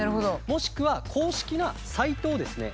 もしくは公式なサイトをですね